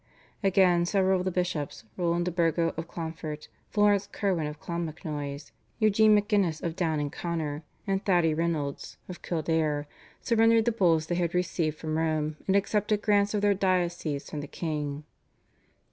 Again, several of the bishops, Roland de Burgo of Clonfert, Florence Kirwan of Clonmacnoise, Eugene MacGuinness of Down and Connor, and Thady Reynolds of Kildare surrendered the Bulls they had received from Rome, and accepted grants of their dioceses from the king.